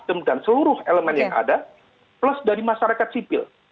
dan seluruh elemen yang ada plus dari masyarakat sipil